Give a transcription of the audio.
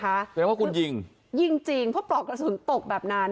แสดงว่าคุณยิงยิงจริงเพราะปลอกกระสุนตกแบบนั้น